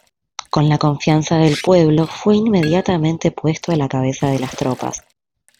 Con la confianza del pueblo, fue inmediatamente puesto a la cabeza de las tropas.